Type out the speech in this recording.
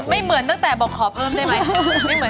เหมือนตั้งแต่บอกขอเพิ่มได้ไหม